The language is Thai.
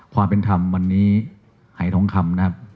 ความเป็นธรรมวันนี้หายทองคำนะครับ